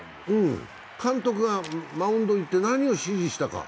監督がマウンド行って、何を指示したか。